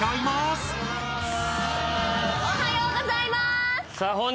おはようございます。